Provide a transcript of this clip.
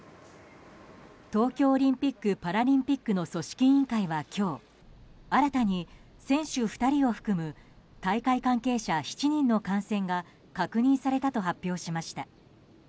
東京オリンピック・パラリンピックの組織委員会は今日新たに選手２人を含む大会関係者７人の感染が確認されたと発表しました。